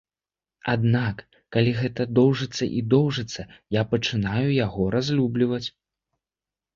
Аднак калі гэта доўжыцца і доўжыцца, я пачынаю яго разлюбліваць.